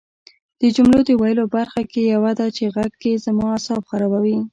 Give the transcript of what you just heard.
د جملو د ویلو برخه کې یوه ده چې غږ کې زما اعصاب خرابوي